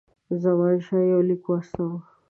زمانشاه یو لیک واستاوه.